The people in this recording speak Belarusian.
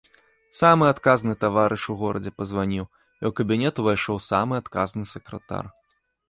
Самы адказны таварыш у горадзе пазваніў, і ў кабінет увайшоў самы адказны сакратар.